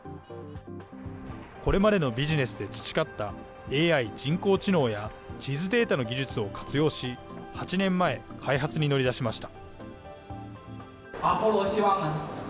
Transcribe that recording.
これまでのビジネスで培ったＡＩ・人工知能や、地図データの技術を活用し、８年前、開発に乗り出しました。